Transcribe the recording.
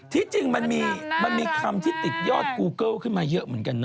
ที่จริงมันมีคำที่ติดยอดกูเกิลขึ้นมาเยอะเหมือนกันนะ